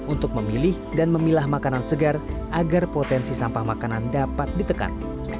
untuk memilih dan memilah makanan segar agar potensi sampah makanan dapat ditekan